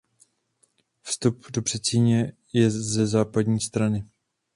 Vstup do předsíně je ze západní strany.